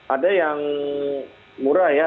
ada yang murah ya